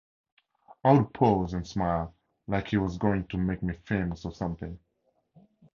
I'd pose and smile like he was going to make me famous or something.